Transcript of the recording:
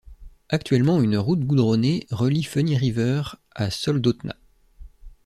Actuellement, une route goudronnée relie Funny River à Soldotna.